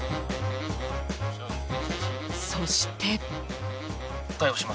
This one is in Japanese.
そして。